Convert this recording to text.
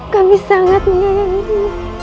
kami sangat menyayangimu